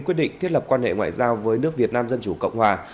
quyết định thiết lập quan hệ ngoại giao với nước việt nam dân chủ cộng hòa